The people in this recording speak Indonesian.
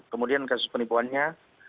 kemudian kasus penipuannya